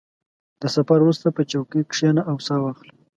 • د سفر وروسته، په چوکۍ کښېنه او سا واخله.